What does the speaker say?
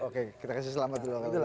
oke kita kasih selamat dulu